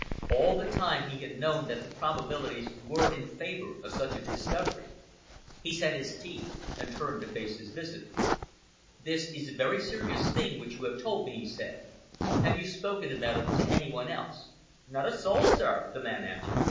All the time he had known that the probabilities were in favor of such a discovery. He set his teeth and turned to face his visitor. "This is a very serious thing which you have told me," he said. "Have you spoken about it to any one else?" "Not a soul, sir," the man answered.